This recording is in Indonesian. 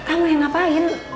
kamu yang ngapain